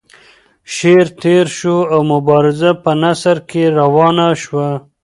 شعر تیر شو او مبارزه په نثر کې روانه شوه.